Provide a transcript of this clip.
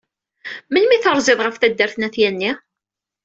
Melmi ay terziḍ ɣef taddart n At Yanni?